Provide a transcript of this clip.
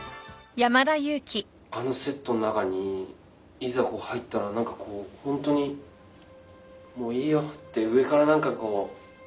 あのセットの中にいざ入ったらホントに「いいよ」って上から何かこう。